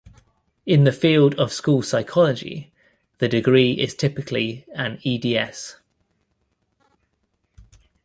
In the field of school psychology, the degree is typically an Ed.S.